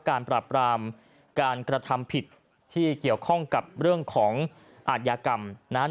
การปราบรามการกระทำผิดที่เกี่ยวข้องกับเรื่องของอาทยากรรมนะครับ